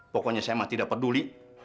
pokoknya saya mah tidak peduli